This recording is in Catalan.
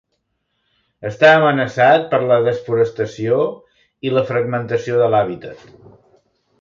Està amenaçat per la desforestació i la fragmentació de l'hàbitat.